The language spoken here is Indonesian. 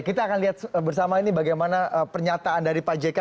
kita akan lihat bersama ini bagaimana pernyataan dari pak jk